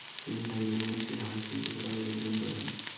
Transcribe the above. তিনি সাইবেরিয়ান একটি সংস্কৃতি ক্লাব এ যোগদান করেন।